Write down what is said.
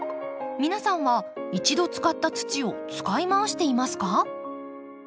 皆さんは一度使った土を使いまわしていますか？